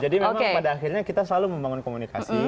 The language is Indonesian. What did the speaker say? jadi memang pada akhirnya kita selalu membangun komunikasi